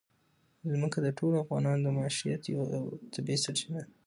ځمکه د ټولو افغانانو د معیشت یوه طبیعي سرچینه ده.